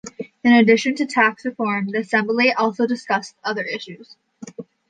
In addition to tax reform, the Assembly also discussed other issues.